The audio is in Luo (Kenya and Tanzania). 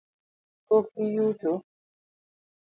Pok iyuto?